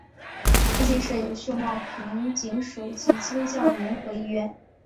附近设有秀茂坪警署及基督教联合医院。